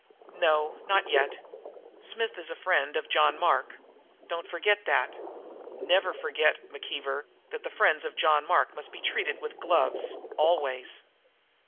"No, not yet. Smith is a friend of John Mark. Don't forget that. Never forget, McKeever, that the friends of John Mark must be treated with gloves always!"